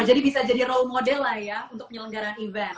bisa jadi role model lah ya untuk penyelenggaran event